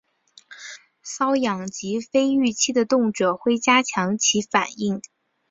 搔痒及非预期的动作会加强其反应。